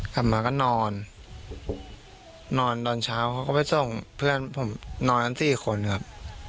กลับมาก็นอนนอนตอนเช้าเขาก็ไปส่งเพื่อนผมนอนกันสี่คนครับ